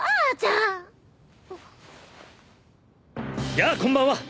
やあこんばんは！